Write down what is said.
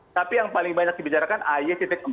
tapi yang paling banyak dibicarakan ay empat